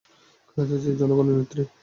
খালেদা জিয়া জনগণের নেত্রী।